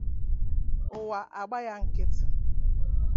ụwa agba ya nkịtị.